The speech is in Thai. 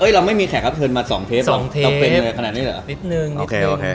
เอ๊ยเราไม่มีแขกรับเชิญมา๒เทปเราแส่งเงยแบบนั้นเหรอ๒เทปฆิตนึงอีกนึง